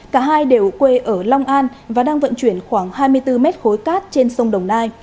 cả hai đều quê ở long an và đang vận chuyển khoảng hai mươi bốn mét khối cát trên sông đồng nai